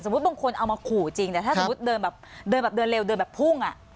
สมมุติบางคนเอามาขู่จริงแต่ถ้าสมมุติเดินแบบเดินเร็วเดินแบบพุ่ง